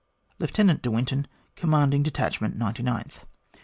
LIEUTENANT DE WINTON, Commanding Detachment 99th.